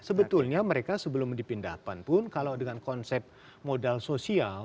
sebetulnya mereka sebelum dipindahkan pun kalau dengan konsep modal sosial